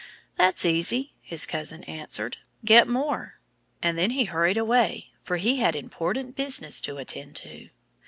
"That's easy," his cousin answered. "Get more!" And then he hurried away, for he had important business to attend to.